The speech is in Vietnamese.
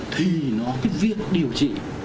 thì việc điều trị